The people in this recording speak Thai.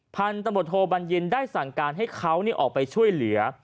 พันธบทโทบัญญินได้สั่งการให้เขาออกไปช่วยเหลือ